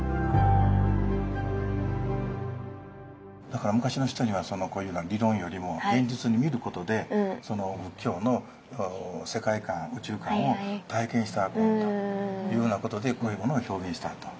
だから昔の人にはこういうふうな理論よりも現実に見ることで仏教の世界観・宇宙観を体験したというふうなことでこういうものを表現したと。